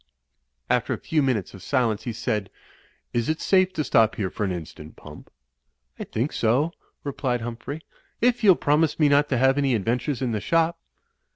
After a few minutes of silence, he said, "Is it safe to stop here for an instant. Pump?" "I think so," replied Humphrey, "if you'll promise me not to have any adventures in the shop."